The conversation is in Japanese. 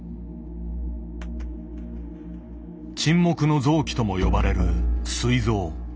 「沈黙の臓器」とも呼ばれるすい臓。